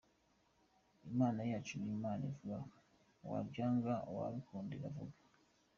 Imana yacu ni Imana ivuga wabyanga wabikunda Iravuga.